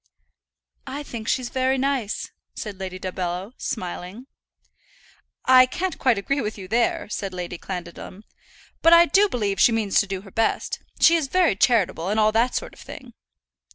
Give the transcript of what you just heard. "I think she's very nice," said Lady Dumbello, smiling. "I can't quite agree with you there," said Lady Clandidlem. "But I do believe she means to do her best. She is very charitable, and all that sort of thing."